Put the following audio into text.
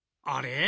あれ？